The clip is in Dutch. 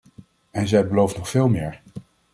En zij belooft nog veel meer.